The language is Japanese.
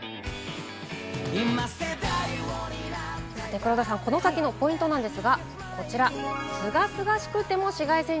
黒田さん、この先のポイントなんですが、こちらです。